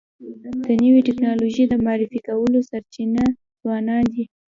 د نوې ټکنالوژی د معرفي کولو سرچینه ځوانان دي.